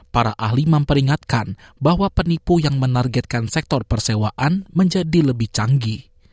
para ahli memperingatkan bahwa penipu yang menargetkan sektor persewaan menjadi lebih canggih